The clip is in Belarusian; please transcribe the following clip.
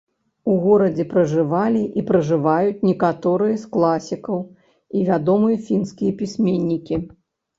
У горадзе пражывалі і пражываюць некаторыя з класікаў і вядомыя фінскія пісьменнікі.